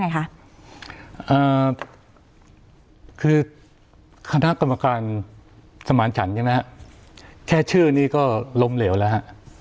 คือคณะกรรมการสมานฉันใช่ไหมฮะแค่ชื่อนี้ก็ล้มเหลวแล้วฮะ